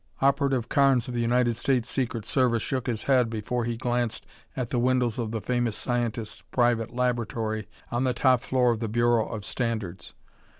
Operative Carnes of the United States Secret Service shook his head before he glanced at the windows of the famous scientist's private laboratory on the top floor of the Bureau of Standards.